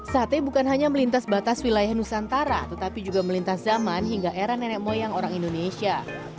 sate bukan hanya melintas batas wilayah nusantara tetapi juga melintas zaman hingga era nenek moyang orang indonesia